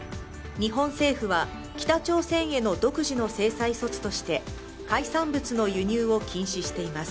日本政府は北朝鮮への独自の制裁措置として海産物の輸入を禁止しています。